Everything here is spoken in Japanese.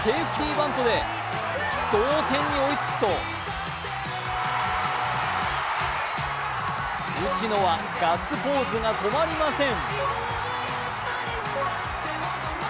バントで同点に追いつくと打野はガッツポーズが止まりません。